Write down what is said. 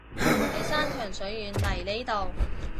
你山長水遠嚟呢度